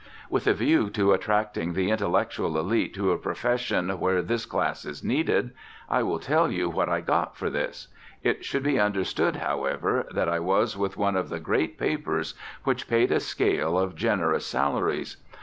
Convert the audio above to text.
With a view to attracting the intellectual elite to a profession where this class is needed, I will tell you what I got for this. It should be understood, however, that I was with one of the great papers, which paid a scale of generous salaries.